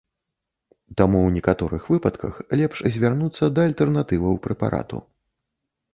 Таму у некаторых выпадках лепш звярнуцца да альтэрнатываў прэпарату.